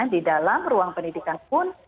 di dalam ruang pendidikan pun